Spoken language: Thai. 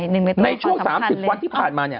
ในช่วง๓๐วันที่ผ่านมาเนี่ย